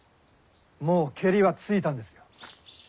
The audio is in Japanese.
もうケリはついたんですよ。